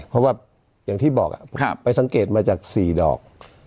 เพราะว่าอย่างที่บอกไปสังเกตมาจาก๔ดอก